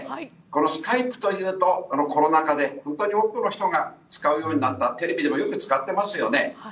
このスカイプというとコロナ禍で本当に多くの人が使うようになりテレビでもよく使っていますよね。